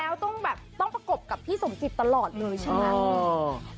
แล้วต้องแบบต้องประกบกับพี่สมจิตตลอดเลยใช่ไหม